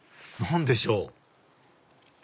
何でしょう？